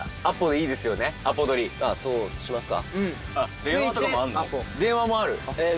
そうしますか。